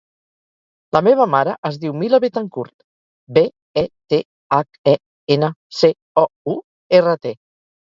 La meva mare es diu Mila Bethencourt: be, e, te, hac, e, ena, ce, o, u, erra, te.